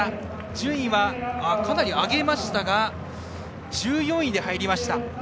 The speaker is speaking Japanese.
順位は、かなり上げましたが１４位で入りました。